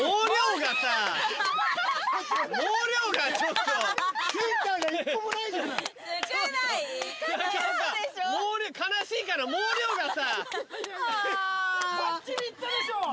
ばっちりいったでしょ。